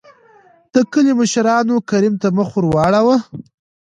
دکلي مشرانو کريم ته مخ ور ور واړو .